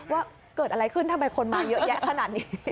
ว่าเกิดอะไรขึ้นทำไมคนมาเยอะแยะขนาดนี้